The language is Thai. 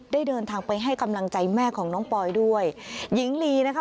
เดินทางไปให้กำลังใจแม่ของน้องปอยด้วยหญิงลีนะคะ